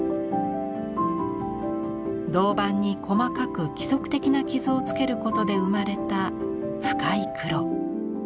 銅版に細かく規則的な傷を付けることで生まれた深い黒。